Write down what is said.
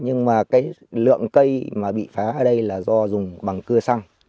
nhưng mà cái lượng cây mà bị phá ở đây là do dùng bằng cưa xăng